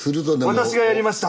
私がやりました。